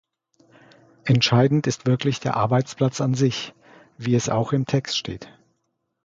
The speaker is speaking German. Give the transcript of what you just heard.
Entscheidend ist wirklich der Arbeitsplatz an sich, wie es auch im Text steht.